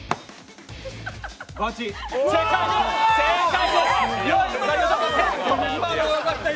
正解！